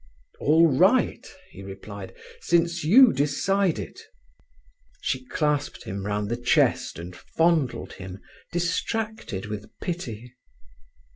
"All right," he replied, "since you decide it." She clasped him round the chest and fondled him, distracted with pity.